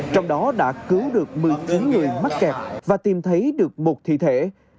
trong đó đã cứu được một mươi chín người mắc kẹt và tìm thấy được một thi thể